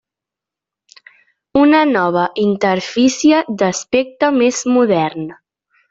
Una nova interfície d'aspecte més modern.